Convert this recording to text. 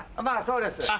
まぁそうです。